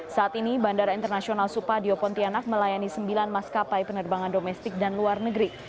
saat ini bandara internasional supadio pontianak melayani sembilan maskapai penerbangan domestik dan luar negeri